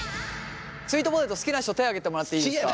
スイートポテト好きな人手挙げてもらっていいですか？